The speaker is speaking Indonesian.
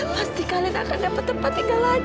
pasti kalian akan dapat tempat tinggal lagi